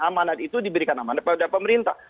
amanat itu diberikan amanat pada pemerintah